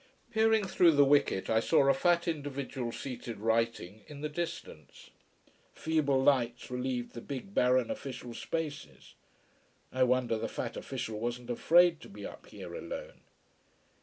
Peering through the wicket I saw a fat individual seated writing in the distance. Feeble lights relieved the big, barren, official spaces I wonder the fat official wasn't afraid to be up here alone.